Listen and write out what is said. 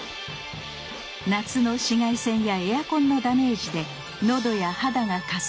夏の紫外線やエアコンのダメージでのどや肌がカサカサに。